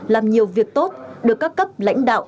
làm nhiều việc tốt được các cấp lãnh đạo